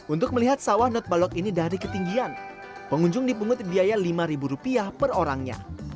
untuk melihat sawah not balok ini dari ketinggian pengunjung dipungut biaya lima rupiah per orangnya